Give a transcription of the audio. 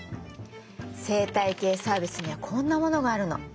生態系サービスにはこんなものがあるの。